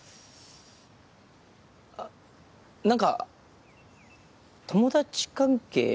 あ何か友達関係